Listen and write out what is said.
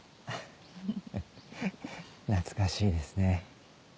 ハハッ懐かしいですね。